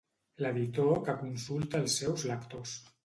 L'editor que consulta els seus lectors.